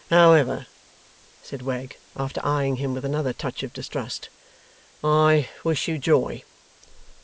'However,' said Wegg, after eyeing him with another touch of distrust, 'I wish you joy.